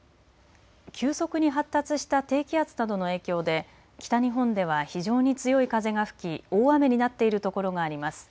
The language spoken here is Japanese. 急速に発達した低気圧などの影響で北日本では非常に強い風が吹き、大雨になっているところがあります。